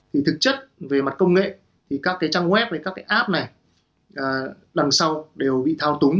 thực chất về mặt công nghệ thì các trang web các app này đằng sau đều bị thao túng